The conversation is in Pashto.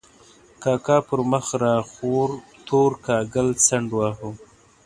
کاکا پر مخ را خور تور کاکل څنډ واهه.